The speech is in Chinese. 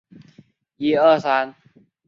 那么首先要去密西西比州汉考克县！